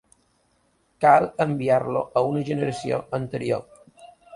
Cal enviar-lo a una generació anterior.